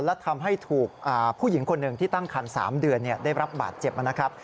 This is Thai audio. และทำให้ถูกผู้หญิงคนหนึ่งที่ตั้งคัน๓เดือนได้รับบาดเจ็บนะครับ